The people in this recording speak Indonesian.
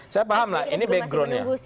saya paham lah ini backgroundnya